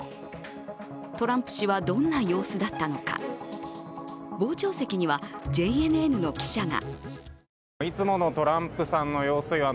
トランプ氏はどんな様子だったのか、傍聴席にはＪＮＮの記者が。